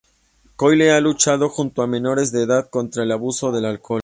Coyle ha luchado junto a menores de-edad contra el abuso del alcohol.